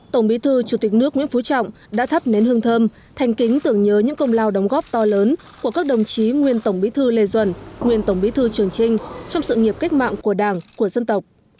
tổng bí thư chủ tịch nước nguyễn phú trọng đã thắp nến hương thơm thành kính tưởng nhớ những công lao đóng góp to lớn của các đồng chí nguyên tổng bí thư lê duẩn nguyên tổng bí thư trường trinh trong sự nghiệp cách mạng của đảng của dân tộc